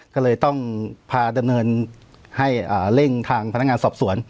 ก็เลยต้องพาดำเนินให้เร่งทางพนักงานสอบสวน